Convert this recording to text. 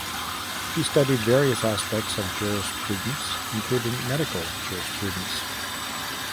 He studied various aspects of Jurisprudence including Medical jurisprudence.